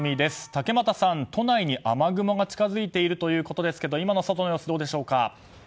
竹俣さん、都内に雨雲が近づいているということですけど今の外の様子、どうでしょうか。